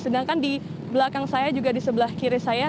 sedangkan di belakang saya juga di sebelah kiri saya